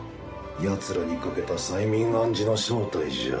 ヤツらにかけた催眠暗示の正体じゃ。